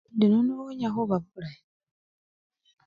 Indi nono wenyakhuba bulayi.